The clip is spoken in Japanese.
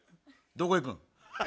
どこ行くん？